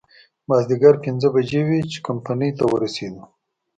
مازديګر پينځه بجې وې چې کمپنۍ ته ورسېدو.